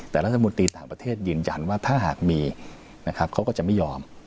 แต่รัฐมนตรีต่างประเทศยืนยันว่าถ้าหากมีนะครับเขาก็จะไม่ยอม